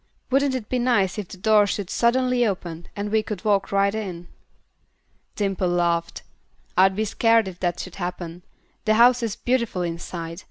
Wouldn't it be nice if the door should suddenly open, and we could walk right in?" Dimple laughed. "I'd be scared if that should happen. The house is beautiful inside.